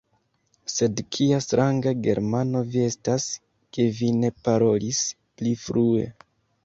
Sed kia stranga Germano vi estas, ke vi ne parolis pli frue!